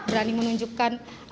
berani menunjukkan alasan